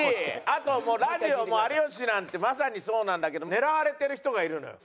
あともうラジオも有吉なんてまさにそうなんだけど狙われてる人がいるのよ。